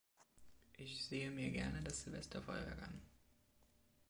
Ich sehe mir gerne das Silvesterfeuerwerk an.